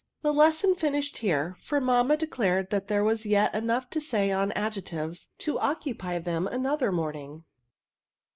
The lesson finished here ; for mamma de clared that there was yet enough to say on adjectives to occupy them ianother morning.